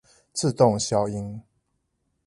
自動消音